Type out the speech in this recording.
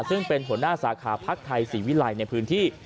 ซึ่งเป็นหัวหน้าสาขาพักไทยศรีวิลัยในพื้นที่